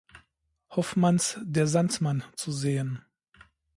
Hoffmanns "Der Sandmann" zu sehen.